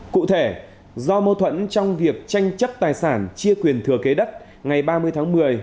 cụ thể do mâu thuẫn trong việc tranh chấp tài sản chia quyền thừa kế đất ngày ba mươi tháng một mươi